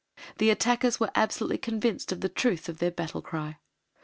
_" The attackers were absolutely convinced of the truth of their battle cry.